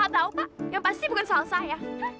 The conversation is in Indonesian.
gak tau pak yang pasti bukan salah saya